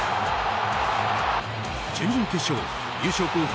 準々決勝優勝候補